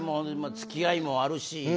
付き合いもあるし。